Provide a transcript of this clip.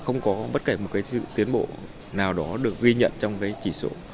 không có bất kể một cái tiến bộ nào đó được ghi nhận trong cái chỉ số